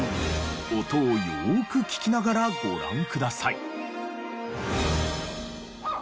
音をよーく聞きながらご覧ください。